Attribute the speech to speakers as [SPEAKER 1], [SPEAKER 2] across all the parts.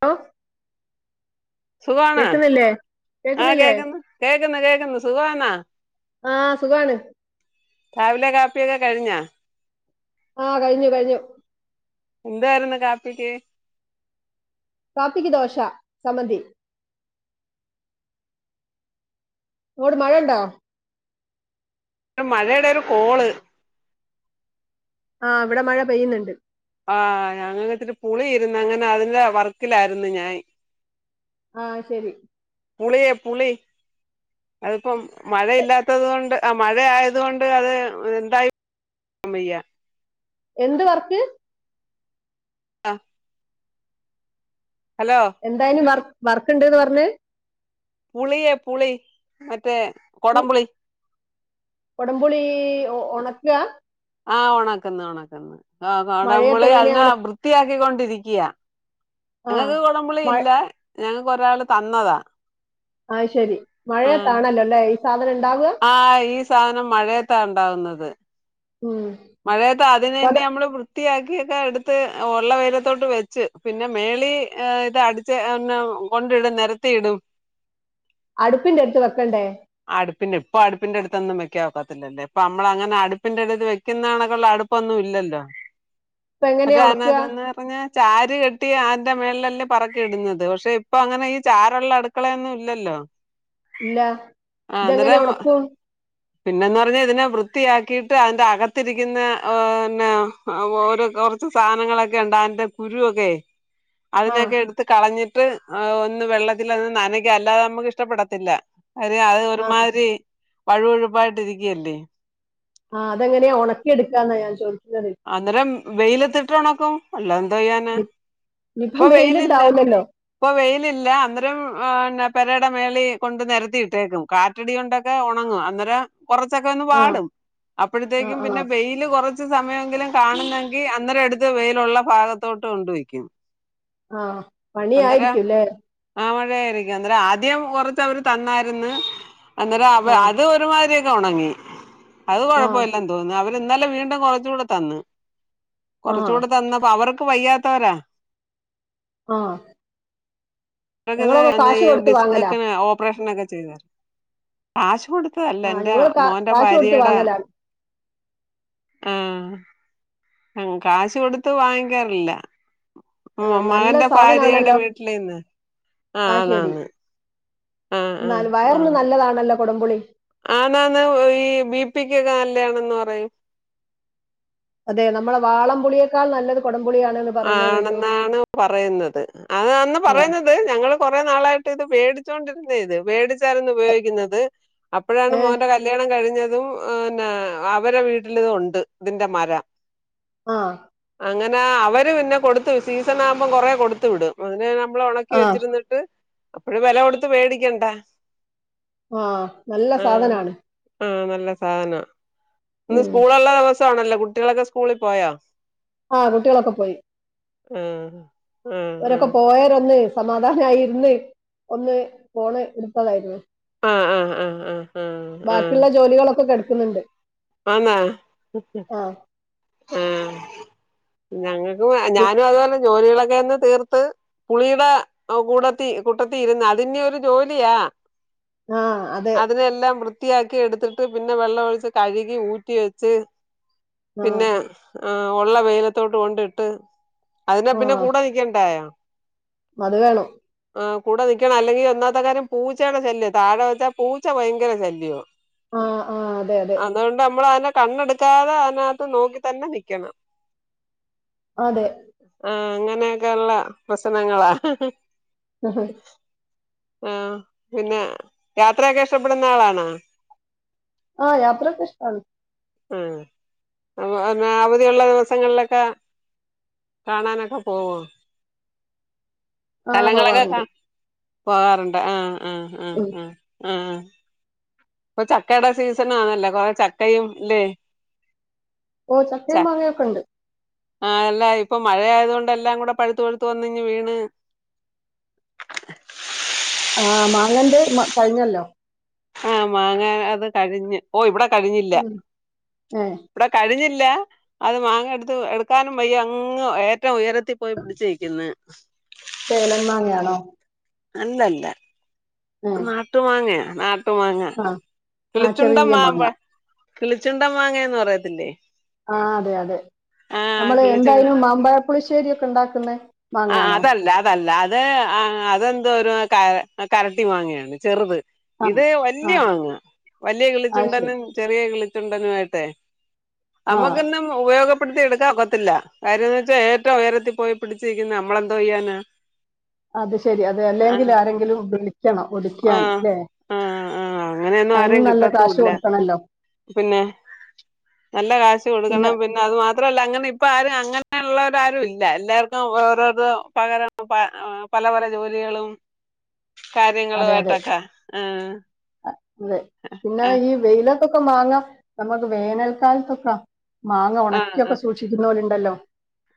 [SPEAKER 1] ലൊ
[SPEAKER 2] സുഖാണോ
[SPEAKER 1] കേക്കണില്ലേ
[SPEAKER 2] ആഹ് കേക്ക്ന്ന് കേക്ക്ന്ന് കേക്ക്ന്ന് സുഖാവാന്നാ
[SPEAKER 1] ആ സുഖാണ്
[SPEAKER 2] രാവിലെ കാപ്പിയക്കെ കഴിഞ്ഞാ
[SPEAKER 1] ആഹ് കഴിഞ്ഞു കഴിഞ്ഞു
[SPEAKER 2] എന്തുവാരുന്നു കാപ്പിക്ക്
[SPEAKER 1] കാപ്പിക്ക് ദോശ സമന്തി നോട് മഴണ്ടോ
[SPEAKER 2] ടെ മഴെടെ ഒരു കോള്
[SPEAKER 1] ആഹ് ഇവടെ മഴ പെയ്യുന്നുണ്ട്
[SPEAKER 2] ആഹ് ഞങ്ങനത്തെരു പുളി ഇരുന്ന് അങ്ങനെ അതിന്റെ വർക്കിലായിരുന്നു ഞാൻ
[SPEAKER 1] ആഹ് ശരി
[SPEAKER 2] പുളിയെ പുളി അതിപ്പോം മഴയില്ലാത്തത് കൊണ്ട് ആഹ് മഴ ആയത കൊണ്ട് അത് എന്തായി സുമയ്യ
[SPEAKER 1] എന്ത് വർക്ക്
[SPEAKER 2] ആഹ്
[SPEAKER 1] എന്തായിനു വർക്ക് വർക്ക് ഇണ്ട് ന്ന് പറഞ്ഞെ
[SPEAKER 2] പുളിയേ പുളി മറ്റേ കൊടം പുളി
[SPEAKER 1] കൊടം പുളി ഉണക്ക
[SPEAKER 2] ആഹ് ഉണക്കന്ന് ഉണക്കന്ന് ആഹ് കൊടം
[SPEAKER 1] മഴയത്ത്
[SPEAKER 2] പുളി
[SPEAKER 1] എങ്ങനെയാ
[SPEAKER 2] അതിനെ
[SPEAKER 1] ഉണ
[SPEAKER 2] വൃത്തിയാക്കി കൊണ്ടിരിക്കയാ
[SPEAKER 1] ആ
[SPEAKER 2] ഞങ്ങക്ക് കുടമ്പളി
[SPEAKER 1] മഴ
[SPEAKER 2] ഇല്ല ഞങ്ങക്ക് ഒരാള് തന്നതാ
[SPEAKER 1] ആഹ് ശരി
[SPEAKER 2] ആഹ്
[SPEAKER 1] മഴതാണല്ലോ ലയ്
[SPEAKER 2] ആഹ് ഈ സാനം മഴയത്താ ഉണ്ടാവുന്നത്
[SPEAKER 1] ഉം
[SPEAKER 2] മഴയത്ത അത്യം
[SPEAKER 1] അപ്പൊ അത്
[SPEAKER 2] തന്നെ നമ്മൾ വൃ വൃത്തിയാക്കിയൊക്കെ എടുത്ത് ഉള്ള വെയ്ലത്തോട്ട് വെച്ച് പിന്നെ മേളി ഇത് അടിച്ച ആർണം കൊണ്ടിടും നിരത്തി ഇടും.
[SPEAKER 1] അടുപ്പിന്റെ അടുത്ത് വെക്കണ്ടേ
[SPEAKER 2] അടുപ്പിന്റെ ഇപ്പൊ അടുപ്പിന്റെ അടുത്തൊന്നും വെക്ക ഒക്കാത്തില്ലേ പ്പ നമ്മ അങ്ങനെ അടുപ്പിന്റെ അടുത്ത് വെക്കുന്ന ആളുകൾ അടുപ്പ് ഒന്നും ഇല്ലല്ലോ
[SPEAKER 1] ഇപ്പൊ എങ്ങനെയാ ഉണക്കുക
[SPEAKER 2] [unintelligible] ന്റെ മേള ല്ലേ പറക്കി ഇടുന്നത് പക്ഷെ ഇപ്പൊ അങ്ങനെ ഈ ചാരുള്ള അടുക്കളയൊന്നും ഇല്ല ല്ലോ
[SPEAKER 1] ഇല്ല ഇതങ്ങനെയ ഉണക്കും
[SPEAKER 2] പിന്നെന്ന് പറഞ്ഞാ ഇതിനെ വൃത്തിയാക്കിയിട്ട് അതിന്റെ അകത്തിരിക്കുന്ന ഓരോ [unintelligible] കുറച്ച് സാനങ്ങളൊക്കെ ഇണ്ട് അതിന്റെ കുരോക്കെ
[SPEAKER 1] ആ
[SPEAKER 2] അതിനൊക്കെ എടുത്ത് കളഞ്ഞിട്ട് ത് ആഹ് ഒന്ന് വെള്ളത്തിൽ അത് നനക്ക അല്ലാതെ നമുക്ക് ഇഷ്ടപ്പെടത്തില്ല. അരെ അത്
[SPEAKER 1] ആ
[SPEAKER 2] ഒരുമാതിരി വഴുവൊഴുപ്പായിട്ടി രിക്കല്ലേ
[SPEAKER 1] ആഹ് തെങ്ങനെയാ ഉണക്കിടുക്കാന്നാ ഞാൻ ചോ
[SPEAKER 2] അന്നേരം വെയിലത്തിട്ട് ഉണക്കും അല്ല ദ്യാന ഇപ്പൊ
[SPEAKER 1] ഇനിയിപ്പം
[SPEAKER 2] വെയിലല്ല
[SPEAKER 1] വെയിലുണ്ടാവൂലല്ലോ
[SPEAKER 2] ഇപ്പൊ വെയിലില്ല അന്നരം ആ്ന്നെ പെരയുടെ മേളി കൊണ്ട് നിരത്തിയിട്ടേക്കും കാറ്റടി കൊണ്ടൊക്കെ ഉണങ്ങും അന്നേരം കൊറച്ചൊക്കെ ഒന്ന്
[SPEAKER 1] ആഹ്
[SPEAKER 2] പാടും
[SPEAKER 1] ആഹ്
[SPEAKER 2] അപ്പോഴത്തേക്കും പിന്നെ
[SPEAKER 1] ആഹ്
[SPEAKER 2] വെയില് കുറച്ച് സമയം കാണുന്നെങ്കിൽ അന്നേ അടുത്ത് വെയിലുള്ള ഭാഗത്തോട്ട് കൊണ്ട വയ്ക്കും
[SPEAKER 1] ആഹ
[SPEAKER 2] അന്നേരം
[SPEAKER 1] പണിായിരിക്കൂല്ലേ
[SPEAKER 2] ആ ആദ്യം കുറര് തന്നായിരുന്നു അേ
[SPEAKER 1] ആഹ്
[SPEAKER 2] അത് ഉണങ്ങി അത്
[SPEAKER 1] ആഹ്
[SPEAKER 2] കൊഴപ്പമല്ലാ തോന്നുന്നു അവര് എന്നാലും വീണ്ടും കുറച്ച കൂടെ തന്ന്
[SPEAKER 1] ആഹ്
[SPEAKER 2] കുറച്ചുകൂടെ തന്നപ്പോ അവർക്ക് വയ്യാത്തവരാ
[SPEAKER 1] ആഹ്
[SPEAKER 2] ങ്ങക്ക് ത്
[SPEAKER 1] ഞങ്ങളൊക്കെ
[SPEAKER 2] എന്ന
[SPEAKER 1] കാശ്
[SPEAKER 2] ഈ
[SPEAKER 1] കൊടുത്ത്
[SPEAKER 2] ഡിസ്ക്ക്
[SPEAKER 1] വാങ്ങലാ
[SPEAKER 2] ക്ക് ഓപ്പറേഷനൊക്കെ ചെയ്ത് ‌ല്ലേ ആശ് കൊട് ഇതല്ല
[SPEAKER 1] ആഹ്
[SPEAKER 2] ൻ്റെ
[SPEAKER 1] ഞങ്ങള് കാ
[SPEAKER 2] മോന്റെ
[SPEAKER 1] കാശ് കൊടുത്ത്
[SPEAKER 2] ഭാര്യയുടെ
[SPEAKER 1] വാങ്ങലാണ്
[SPEAKER 2] ആഹ. ആഹ കാശ് കൊടുത്ത് വാങ്ങിക്കാറില്ല. മ്
[SPEAKER 1] ആഹ് നല്ല
[SPEAKER 2] മകന്റെ ഫാര്യയുടെ
[SPEAKER 1] സാധനാണല്ലോ
[SPEAKER 2] വീട്ടിലയ്ന്ന് ആഹ ആണാന്ന്.
[SPEAKER 1] ന്നാലും വയറിന് നല്ലതാണല്ലോ കൊടംപുളി
[SPEAKER 2] ആണാന്ന് ഈ ബിപിക്കൊക്കെ നല്യാണന്ന് പറയും.
[SPEAKER 1] അതെ നമ്മളെ വാളം പുളിയേക്കാൾ നല്ലത് കൊട
[SPEAKER 2] ആണെന്നാണ് പറയുന്നത് അതാന്ന്
[SPEAKER 1] ആഹ്
[SPEAKER 2] പറയുന്നത് ഞങ്ങള് കൊറെ നാളായിട്ട് ഇത് വേടിച്ചോണ്ടിരുന്ന ഇത് വേടിച്ചാരുന്നു ഉപയോഗിക്കുന്നത് അപ്പോഴാണ്
[SPEAKER 1] ഏഹ്
[SPEAKER 2] മോന്റെ കല്യാണം കഴിഞ്ഞത് ഇതും ഹ്‌നെ അവരെ വീട്ടിലിതുണ്ട് ഇതിന്റെ മരം.
[SPEAKER 1] ആഹ
[SPEAKER 2] അങ്ങനെ അവര് പിന്നെ കൊടുത്തു സീസണാകുമ്പോ കൊറെേ കൊടുത്തു വിടും അതിനെ നമ്മള് ഉണക്കി
[SPEAKER 1] ആഹ്
[SPEAKER 2] വെച്ചിരുന്നിട്ട് അപ്പഴും വെല കൊടുത്ത് വേടിക്കണ്ട.
[SPEAKER 1] ആഹ നല്ല സാധനാണ്.
[SPEAKER 2] ആഹ നല്ല സാധനാ. ഇന്ന്
[SPEAKER 1] ഉം
[SPEAKER 2] സ്കൂളുള്ള ദിവസാണല്ലോ കുട്ടികളൊക്കെ സ്കൂളിൽ പോയോ?
[SPEAKER 1] ആഹ കുട്ട്യാളൊക്കെ പോയി.
[SPEAKER 2] ആഹ
[SPEAKER 1] വരൊക്കെ പോയരൊന്ന് സമാധാനായിരുന്ന് ഒന്ന് ഫോണ് ഇടുത്തതായിരുന്നു.
[SPEAKER 2] ആഹ ആ ആഹ അ ഹ് ആ
[SPEAKER 1] ക്കുന്നുണ്ട്.
[SPEAKER 2] ആന്നാ ആഹ ഞങ്ങൾ ഒ
[SPEAKER 1] പി
[SPEAKER 2] ഞാനു അതോലെ ജോലികളൊക്കെയൊന്ന് തീർത്ത് പുളിയുടെ കൂടത്തി കുട്ടത്തിരുന്ന് അതിന്യ ഒരു ജോലിയാ.
[SPEAKER 1] ആഹ അതെ.
[SPEAKER 2] ത്തിയാക്കി എടുത്തിട്ട് പിന്നെ വെള്ള ഒഴിച്ച് കഴുകി ഊറ്റി വെച്ച്
[SPEAKER 1] ആ.
[SPEAKER 2] പിന്നെ ആ ഉള്ള വെയിലത്തോട്ട് കൊണ്ടിട്ട് അതിനെ
[SPEAKER 1] ആ.
[SPEAKER 2] പിന്നെ കൂടെ നിൽക്കണ്ടായോ?
[SPEAKER 1] അത് വേണം.
[SPEAKER 2] ആ കൂടെ നിക്കണം അല്ലെങ്കിൽ ഒന്നാത്തെ കാര്യം പൂച്ചയുടെ ശല്യം താഴെ വെച്ചാ പൂച്ച ഭയങ്കര ശല്യോ.
[SPEAKER 1] ആഹ് ആഹ് അ
[SPEAKER 2] അതോണ്ട് അമ്മൾ അനെ കണ്ണെടുക്കാതെ അയിനാകത്ത് നോക്കി തന്നെ നിക്കണം.
[SPEAKER 1] അതെ.
[SPEAKER 2] ആഹ അങ്ങനെയൊക്കെള്ള പ്രശ്നങ്ങളാ.
[SPEAKER 1] ആഹ്
[SPEAKER 2] ആഹ പിന്നെ യാത്രയൊക്കെ ഇഷ്ടപ്പെടുന്നാളാണോ?
[SPEAKER 1] ആഹ യാത്രൊക്കെഷ്ടാണ്.
[SPEAKER 2] ആ അ ന്നെ അവധിയുള്ള ദിവസങ്ങളിലൊക്കെ കാണാനൊക്കെ പോവോ?
[SPEAKER 1] ആഹ് പോവാറുണ്ട്.
[SPEAKER 2] പോവാറുണ്ട് ആഹ് ആഹ് ആഹ്
[SPEAKER 1] ഉം.
[SPEAKER 2] ആഹ് ആഹ് അ്. ഇപ്പൊ ചക്കയുടെ സീസണാണല്ലോ കൊറെ ചക്കയും ല്ലേ?
[SPEAKER 1] ഓ ചക്കയും മാങ്ങയൊക്കെ ഉണ്ട്.
[SPEAKER 2] ആ അല്ലാ ഇപ്പൊ മഴയായത് കൊണ്ടെല്ലാം കൂടെ പഴുത്തു പഴുത്തു വന്നിഞ്ഞ് വീണ്
[SPEAKER 1] ആഹ് മാങ്ങന്റെ മ കഴിഞ്ഞല്ലോ.
[SPEAKER 2] ആഹ മാങ്ങാ അത് കഴിഞ്ഞ്. ഓ ഇവിടെ കഴിഞ്ഞില്ല
[SPEAKER 1] ഉം. ഏ
[SPEAKER 2] ഇവിടെ കഴിഞ്ഞി ല്ല അത് മാങ്ങ എടുത്ത് എടുക്കാനും വയ്യ അങ്ങ് ഏറ്റവു ഉയരത്തി പോയി പിടിച്ചേക്കുന്നു.
[SPEAKER 1] ചേലൻ മാങ്ങയാണോ?
[SPEAKER 2] അല്ലല്ല
[SPEAKER 1] ഏ.
[SPEAKER 2] നാട്ടു മാങ്ങയ ന ട്ടു മാങ്ങ
[SPEAKER 1] ആ. ആ
[SPEAKER 2] കിളിച്ചുണ്ട
[SPEAKER 1] ചെറിയ
[SPEAKER 2] മാമ്പ
[SPEAKER 1] മാങ്ങ.
[SPEAKER 2] കിളിച്ചുണ്ടം മാങ്ങേന്ന് പറയത്തില്ലേ?
[SPEAKER 1] ആ അതെ അതെ
[SPEAKER 2] ആഹ്
[SPEAKER 1] നമ
[SPEAKER 2] കിളിച്ചുണ്ട ആഹ് ആ അതല്ല അതല്ല അത് അതെന്തോരു ക കരട്ടി മാങ്ങേണ് ചെറുത്.
[SPEAKER 1] ആ.
[SPEAKER 2] ഇത്
[SPEAKER 1] ആ.
[SPEAKER 2] വല്ല്യ മാങ്ങ വലിയ
[SPEAKER 1] അത് ശരി.
[SPEAKER 2] കിളിച്ചുണ്ടനും ചെറിയ കിളി ണ്ടനുമായിട്ട്
[SPEAKER 1] ആ.
[SPEAKER 2] നമുക്കിന്ന് ഉപയോഗ ടുത്തി എടുക്കാൻ കൊത്തില്ല കാര്യംന്ന ബുട്ടി എടുക്കാക്കത്തില്ല കാര്യന്തച്ചാ ഏറ്റവും ഉയരത്തി പോയി പിടിച്ചിരിക്കുന്ന നമ്മളെന്തോ ചെയ്യാാന
[SPEAKER 1] അത് ശെരി അതെ അല്ലെങ്കിൽ ആരെങ്കിലും വിളിക്കണം ഒടിക്കാൻ
[SPEAKER 2] ആഹ്
[SPEAKER 1] ല്ലേ
[SPEAKER 2] ആഹ് ആഹ് അങ്ങനെയൊന്നും
[SPEAKER 1] അതിന്
[SPEAKER 2] ആരെയും
[SPEAKER 1] നല്ല കാശ്
[SPEAKER 2] കിട്ടത്തൂല്ല
[SPEAKER 1] കൊടുക്കണല്ലോ
[SPEAKER 2] പിന്നെ നല്ല കാശ് കൊടുക്കണം പിന്നെ അത് മാ ത്രല്ല അങ്ങനെ ഇപ്പ ആരും അങ്ങനെയുള്ളോരാരുല്ല എല്ലാർ വേറരു പകരം പ പല പല ജോലികളും
[SPEAKER 1] അതെ
[SPEAKER 2] കാര്യങ്ങളുമായിട്ടൊക്കെ ആ ആ
[SPEAKER 1] ത്തൊക്കെ മാങ്ങ നമുക്ക് ഇപ്പൊക്കെ. ഇപ്പൊക്കെ മാങ്ങ നന്മ വേനൽക്കാലത്തൊക്കെ മാങ്ങ
[SPEAKER 2] ആ
[SPEAKER 1] ഉണക്കിഒക്കെ സൂക്ഷിക്കുന്നോരു ണ്ടല്ലോ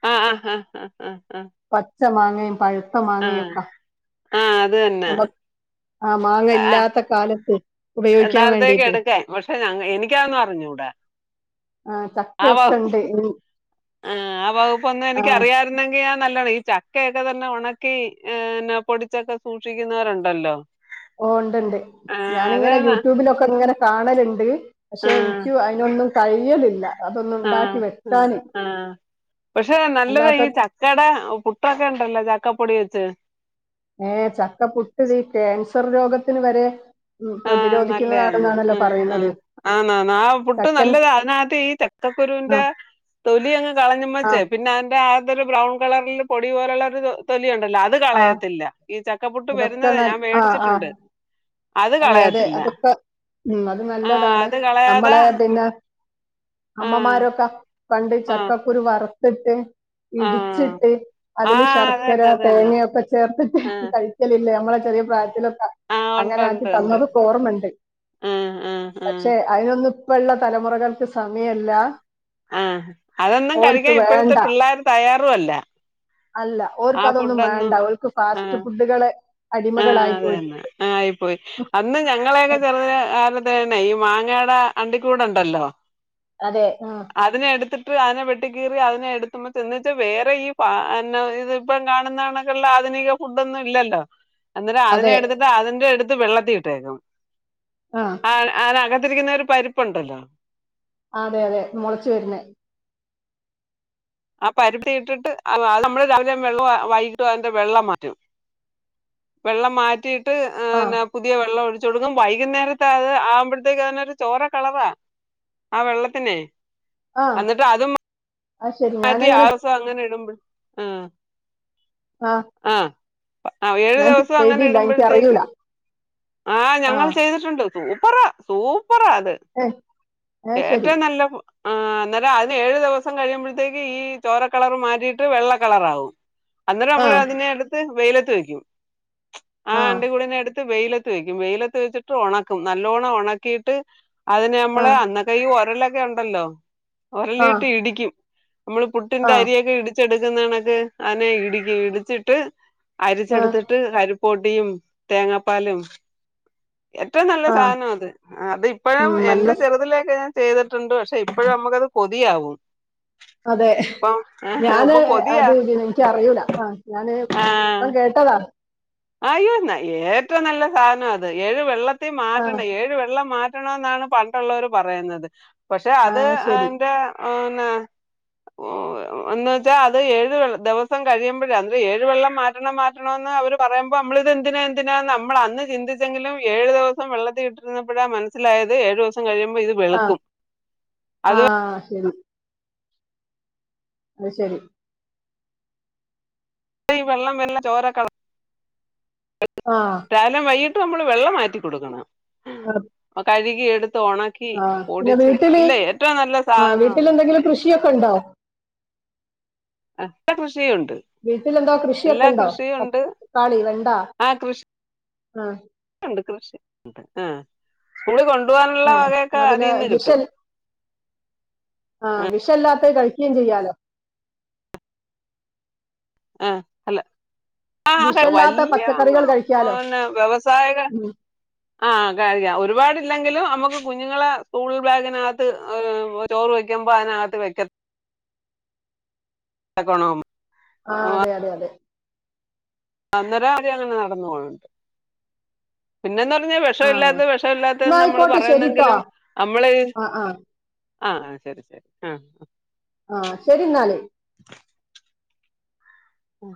[SPEAKER 2] ആ അ ആ് ആഹ് ആഹ് ആഹ്
[SPEAKER 1] ച്ചമാങ്ങയും പെയ്ത മാങ്ങയൊക്കെ
[SPEAKER 2] ആ അത് തന്നെ
[SPEAKER 1] ആ മാങ്ങ ഇല്ലാത്ത കാലത്ത് ഉപയോഗിക്കാൻ വേണ്ടീട്ട്
[SPEAKER 2] ക്ഷെ ഞ എനിക്കാന്ന് അറിഞ്ഞുൂട
[SPEAKER 1] ആ
[SPEAKER 2] ആ
[SPEAKER 1] ചക്കയൊക്കെ
[SPEAKER 2] വക്
[SPEAKER 1] ഉണ്ട് ഇനി
[SPEAKER 2] ആ ആ വകുപ്പൊന്നും
[SPEAKER 1] ആ
[SPEAKER 2] എനിക്കറിയാരുന്നെങ്കി ആ നല്ലാ ഈ ചക്കയൊക്കെ തന്നെ ഉണക്കി ന്നെ പൊടിച്ചൊക്കെ സൂക്ഷിക്കുന്നൊരു ണ്ടല്ലോ
[SPEAKER 1] ഓ ണ്ട്ണ്ട് ഞാനിങ്ങനെ
[SPEAKER 2] ആ
[SPEAKER 1] യൂട്യൂബിലൊക്കെ ഇങ്ങനെ കാണല്ഡ് പക്ഷെ ഇനിക്കും അയിനൊന്നും കഴിയലില്ല അതൊന്നും
[SPEAKER 2] ആഹ
[SPEAKER 1] ഉണ്ടാക്കി വെക്കാന്
[SPEAKER 2] ആഹ ആ പക്ഷെ
[SPEAKER 1] അല്ലാത്ത
[SPEAKER 2] നല്ലതായീ ചക്കേടെ പുട്ടൊക്കെ ണ്ടല്ലോ ചക്കപ്പൊടി വെച്ച്
[SPEAKER 1] ഏ ചക്ക പുട്ട്തീ ക്യാൻസർ രോഗത്തിന് വരെ പ്രധി
[SPEAKER 2] ആ നല്ലയാന്ന് ആ ആ ആന്ന് ആന്ന് ആ പുട്ട്
[SPEAKER 1] ചക്കൻ
[SPEAKER 2] നല്ലതാ അയിനകത്ത് ഈ
[SPEAKER 1] ആ
[SPEAKER 2] ചക്കക്കുരൂന്റെ തൊലി അങ്ങ്
[SPEAKER 1] ആ
[SPEAKER 2] കളഞ്ഞുമ്മച്ചേ പിന്നെ അതിന്റെ ആത്തൊരു ബ്രൗൺ കളറിൽ പൊടി പോലുള്ളൊരു തൊലി ണ്ടല്ലോ അത്
[SPEAKER 1] ആ
[SPEAKER 2] കളയത്തില്ല ഈ ചക്കപ്പുട്ട്
[SPEAKER 1] അതൊക്കെ
[SPEAKER 2] വരുന്നത്
[SPEAKER 1] നൽ
[SPEAKER 2] ഞാൻ
[SPEAKER 1] ആ ആ
[SPEAKER 2] മേടിച്ചിട്ടുണ്ട് അത്
[SPEAKER 1] അതെ അതെ
[SPEAKER 2] കളയത്തില്ല
[SPEAKER 1] അതൊക്കെ ഊ അത്
[SPEAKER 2] ആ
[SPEAKER 1] നല്ലതാണ്
[SPEAKER 2] അത് കളയാതെ
[SPEAKER 1] നമ്മളെ പിന്നെ
[SPEAKER 2] ആ
[SPEAKER 1] അമ്മമാരൊക്കെ പണ്ട്
[SPEAKER 2] ആ
[SPEAKER 1] ചക്കക്കുരു വറുത്തിട്ട്
[SPEAKER 2] ആ
[SPEAKER 1] ഇടിച്ചിട്ട്
[SPEAKER 2] ആ
[SPEAKER 1] അതില്
[SPEAKER 2] അത്
[SPEAKER 1] ശർക്കര
[SPEAKER 2] തന്നെ അത് തന്നെ
[SPEAKER 1] തേങ്ങയൊക്കെ ചേർത്തിട്ട്
[SPEAKER 2] ആ
[SPEAKER 1] കഴിക്കലില്ലേ നമ്മള ചെറിയ പ്രായത്തിലൊ
[SPEAKER 2] ആ ഉണ്ട് ണ്ട്
[SPEAKER 1] തന്നതൊക്കോർമണ്ട്
[SPEAKER 2] ആ ആ
[SPEAKER 1] പക്ഷെ അയി നൊന്ന് ഇപ്പോള തലമുറകൾക്ക് സമയല്ല
[SPEAKER 2] ആഹ് അതൊന്നും
[SPEAKER 1] ഓർക്ക്
[SPEAKER 2] കഴിക്കാൻ ഇപ്പോഴത്തെ
[SPEAKER 1] വേണ്ട
[SPEAKER 2] പിള്ളേർ തയ്യാറുഅല്ല
[SPEAKER 1] അല്ല ഓര്ക്ക് അതൊന്നും വേണ്ട ഓര്ക്ക്
[SPEAKER 2] ആഹ്
[SPEAKER 1] ഫാസ്റ്റ് ഫുഡുകള് അടിമകളായി പോയിട്ടുണ്ട്
[SPEAKER 2] പോയി അന്ന് ഞങ്ങളെയൊക്കെ ചെറുതന്നേ കാലത്ത്ന്നെ ഈ മാങ്ങയുടെ അണ്ടിക്കൂടണ്ടല്ലോ
[SPEAKER 1] അതെ അ
[SPEAKER 2] വെട്ടിക്കീറി അതിനെ എടുത്തുന്ന് തിന്നിട്ട് ഇപ്പം കാണുന്ന വേറെ ഈ ഇ ഇപ്പഴം കാണുന്നണക്ക നിക ഫുഡ ഒന്നും ഇല്ലല്ലോ അന്നേരം അതിനെ
[SPEAKER 1] അതെ
[SPEAKER 2] എടുത്തിട്ട് അതിന്റെ അടുത്ത് വെള്ളത്തി ഇട്ടേക്കും
[SPEAKER 1] ആ
[SPEAKER 2] ആനാ അത് രിക്കുന്നൊരു പരിപ്പ് ഉണ്ടല്ലോ
[SPEAKER 1] ആതേ അതെ മുളച്ച് വരുന്നേ
[SPEAKER 2] ആ പരത്തിയിട്ടിട്ട് നമ്മള് രാവിലെ വെള്ളോം വൈകീട്ടും അതി്റെ വെള്ളം മാറ്റണം വെള്ളം മാറ്റിയിട്ട് ആ ന് പുതിയ വെള്ളം ഒ ചുടുങ്ങും വൈകുന്നേരത്തെ അത് ആവുമ്പോഴത്തേക്ക് അതിനരു ചോര കളറ ആ വെള്ളത്തിനെ
[SPEAKER 1] ആ
[SPEAKER 2] എന്നിട്ട് അതും
[SPEAKER 1] ആ ശരി
[SPEAKER 2] മാറ്റി
[SPEAKER 1] ഞാനങ്ങനെ
[SPEAKER 2] ആസം അങ്ങനെ ഇടുമ്പ ആഹ്
[SPEAKER 1] ആ
[SPEAKER 2] ആഹ് ആ ഏഴു
[SPEAKER 1] ഞാൻ
[SPEAKER 2] ദിവസം അങ്ങനെ
[SPEAKER 1] ചെയ്തില്ല എനിക്കറിയൂല
[SPEAKER 2] ഇടുമ്പോഴത്തേക്കും ആഹ്
[SPEAKER 1] ആ
[SPEAKER 2] ഞങ്ങൾ ചെയ്തിട്ടുണ്ട് സൂപ്പറാ സൂ പ്പറ അത്
[SPEAKER 1] ഏ ഏ ശരി
[SPEAKER 2] ഏറ്റവും നല്ല ഫു ആ അന്നേരം അതിന് ഏഴു ദിവസം കഴിയുമ്പോത്തേക്ക് ഈ ചോര കളർ മാറ്റിയിട്ട് വെള്ള കളറാവും അന്നേരം
[SPEAKER 1] ആ
[SPEAKER 2] നമ്മൾ അതിനെ എടുത്ത് വെയിലത്ത് വെക്കും ആ അണ്ടികൂടിനെ എടുത്ത് വെയിലത്ത് വെയിലത്ത് വെച്ചിട്ട് ഉണക്കും നല്ലോണം ഉണക്കിയിട്ട് അതിന്
[SPEAKER 1] ആ
[SPEAKER 2] നമ്മള് അന്നത്തെയീ ഒരാലേ ഉണ്ടല്ലോ
[SPEAKER 1] ആ
[SPEAKER 2] ഉരലിട്ട് ഇടിക്കും നമ്മള് പുട്ടിന്റെ
[SPEAKER 1] ആ
[SPEAKER 2] അരിയൊക്കെ ഇടിച്ചെടുക്കുന്നണക്ക് അനെ ഇടിക്ക ഇടിച്ചിട്ട്
[SPEAKER 1] ആ
[SPEAKER 2] അരിച്ചെടുത്തിട്ട് കരിപ്പൊട്ടിയും തേങ്ങാപ്പാലും ഏറ്റവും നല്ല
[SPEAKER 1] ആ
[SPEAKER 2] സാധനം അത് അത് ഇപ്പോഴും
[SPEAKER 1] ഉം നല്ല
[SPEAKER 2] എന്റെ
[SPEAKER 1] സ്-
[SPEAKER 2] ചെറുതിലേക്കെ ചെയ്തിട്ടുണ്ട് പക്ഷെ ഇപ്പഴും നമ്മുക്കത് കൊതിയാവും
[SPEAKER 1] അതെ
[SPEAKER 2] ഇപ്പം
[SPEAKER 1] ഞാന്
[SPEAKER 2] ഇപ്പൊ കൊതിയാ
[SPEAKER 1] അത് എനിക്ക അറിയൂല ആ ഞാന് ഇപ്പം കേട്ടതാ
[SPEAKER 2] അയ്യോന്ന ഏറ്റവും നല്ല സാധനം അത് ഏഴ് വെള്ളത്തി
[SPEAKER 1] ആ
[SPEAKER 2] മാറ്റണ ഏഴ് വെള്ളം മാറ്റ റ്റണന്നാണ് പണ്ടുള്ളവർ പറയുന്നത് പക്ഷെ
[SPEAKER 1] ആ
[SPEAKER 2] അത്
[SPEAKER 1] ശരി
[SPEAKER 2] എന്റെ ന്ന
[SPEAKER 1] [inaudible]
[SPEAKER 2] എന്ന്വ വെച്ചാ അത് ഏഴ് ദിവസം കഴിയുമ്പോഴ അ ഏഴ് വെള്ളം മാറ്റണം മാറ്റണമന്ന് അവര് പറയുമ്പോൾ നമ്മളിത് ന്തിനാ എന്തിനാ നമ്മൾ അന്ന് ചിന്തിച്ചെങ്കിലും ഏഴു ദിവസം വെള്ളത്തി കിട്ടിരുന്നപ്പോഴാ മനസ്സിലായ ത് ഏഴു ദിവസം കഴിയുമ്പോ ഇത്
[SPEAKER 1] ആ
[SPEAKER 2] വെളുക്കും
[SPEAKER 1] ആ
[SPEAKER 2] അത്
[SPEAKER 1] അത്ശരി
[SPEAKER 2] വെള്ളം വെള്ളം ചോര കള
[SPEAKER 1] ആ
[SPEAKER 2] രാവിലം വൈ നമ്മള് വെള്ളം മാറ്റി കൊടുക്കണം
[SPEAKER 1] ആ
[SPEAKER 2] കഴുകി എടു ഉണക്കി
[SPEAKER 1] ആ. പിന്നെ
[SPEAKER 2] പൊടിച്ചു
[SPEAKER 1] വീട്ടില്
[SPEAKER 2] അല്ലേ ഏറ്റവും നല്ല സാധനന്ന്
[SPEAKER 1] യക്കണ്ടോ
[SPEAKER 2] ആ [unintelligible] കൃഷിയുണ്ട്
[SPEAKER 1] കൃഷിയൊക്കെ
[SPEAKER 2] എല്ലാ
[SPEAKER 1] ഉണ്ടോ
[SPEAKER 2] കൃഷിയുംണ്ട്
[SPEAKER 1] തക്കാളി വെണ്ട
[SPEAKER 2] ആ കൃഷി
[SPEAKER 1] ആ
[SPEAKER 2] ണ്ട് കൃഷി സ്കൂളിൽ കൊണ്ട്
[SPEAKER 1] ഏ എന്ന പിന്നെ വിഷ ആ വിഷല്ലാത്ത കഴി ഇും ചെയ്യാലോ
[SPEAKER 2] ആഹ് അല്ല ആ
[SPEAKER 1] വിഷമില്ലാത്ത പച്ചക്കറികൾ കഴിക്കാലോ
[SPEAKER 2] വല്യന്നെ വ്യവസായിക
[SPEAKER 1] ഉം.
[SPEAKER 2] ആഹ് കഴിക്ക ഒരുപാട് ഇല്ലെങ്കിലും നമുക്ക് കുഞ്ഞുങ്ങളെ സ്കൂൾ ബാഗിനകത്ത് ചോറ് വെക്കുമ്പോ അതിനകത്ത് വെക്ക എക്കണം
[SPEAKER 1] ആ അതെ അതെ അതെ
[SPEAKER 2] അന്നരം കം അങ്ങനെ നടന്ന പോളണ്ട് പിന്നെന്ത പറ പറ
[SPEAKER 1] ആ
[SPEAKER 2] വിഷമില്ലാത്ത
[SPEAKER 1] എന്നാ
[SPEAKER 2] വിഷമില്ലാത്തന്ന് നമ്മള്
[SPEAKER 1] ആയിക്കോട്ടെ ശരിട്ടോ
[SPEAKER 2] പറയുന്നെങ്കിലും നമ്മള്
[SPEAKER 1] ആ ആ
[SPEAKER 2] ആഹ് ആ ശരി ശരി ആഹ്
[SPEAKER 1] ആഹ് ശരി എന്നാല്
[SPEAKER 2] ഓ